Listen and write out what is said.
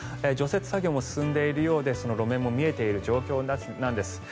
除雪作業も進んでいるようで路面も見えている状況です。